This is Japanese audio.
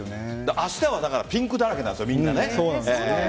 明日はピンクだらけなんですよ、みんな。